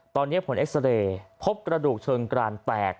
ตอนนี้ผลเอ็กซาเรย์พบกระดูกเชิงกรานแตก